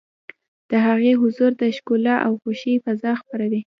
د هغې حضور د ښکلا او خوښۍ فضا خپروي.